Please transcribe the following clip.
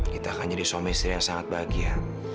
kita akan jadi suami istri yang sangat bahagia